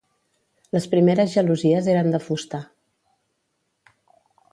Les primeres gelosies eren de fusta.